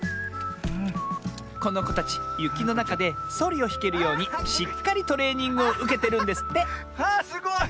このこたちゆきのなかでそりをひけるようにしっかりトレーニングをうけてるんですってあすごい！